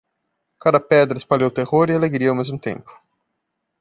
Cada pedra espalhou terror e alegria ao mesmo tempo.